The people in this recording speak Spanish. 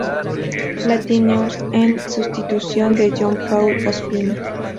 Latin News" en sustitución de John Paul Ospina.